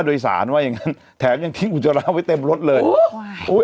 โดยสารว่าอย่างงั้นแถมยังทิ้งอุจจาระไว้เต็มรถเลยโอ้ยโอ้ย